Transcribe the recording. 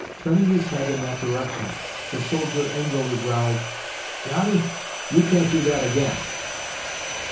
Turning his head in that direction, the soldier angrily growled, "Johnny, you can't do that again!"